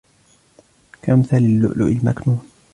كَأَمْثَالِ اللُّؤْلُؤِ الْمَكْنُونِ